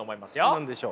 何でしょう？